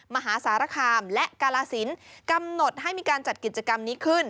มหาสารคามและกาลสินกำหนดให้มีการจัดกิจกรรมนี้ขึ้น